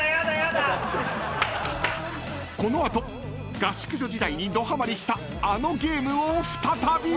［この後合宿所時代にどハマりしたあのゲームを再び］